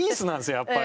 やっぱり。